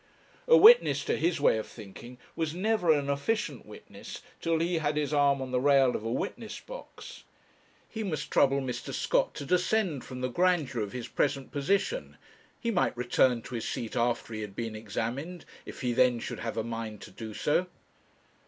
A witness, to his way of thinking, was never an efficient witness till he had his arm on the rail of a witness box. He must trouble Mr. Scott to descend from the grandeur of his present position; he might return to his seat after he had been examined if he then should have a mind to do so.